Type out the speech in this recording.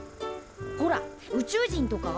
ほら宇宙人とか！